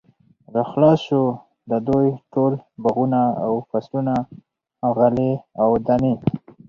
را خلاص شو، د دوی ټول باغونه او فصلونه، غلې او دانې